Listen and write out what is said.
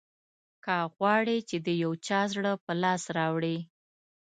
که غواړې چې د یو چا زړه په لاس راوړې.